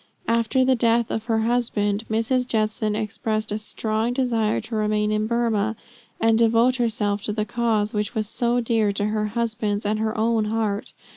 After the death of her husband, Mrs. Judson expressed a strong desire to remain in Burmah and devote herself to the cause which was so dear to her husband's and her own heart.